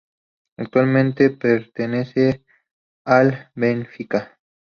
Actualmente pertenece al Benfica.